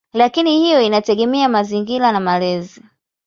Lakini hiyo inategemea mazingira na malezi.